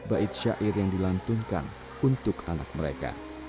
membaik baik syair yang dilantunkan untuk anak mereka